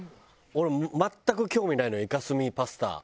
俺全く興味ないのよイカスミパスタ。